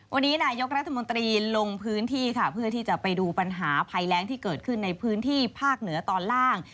วันนี้นายกรัฐมนตรีลงพื้นที่ค่ะเพื่อที่จะไปดูปัญหาภัยแรงที่เกิดขึ้นในพื้นที่ภาคเหนือตอนล่าง